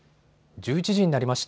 １１時になりました。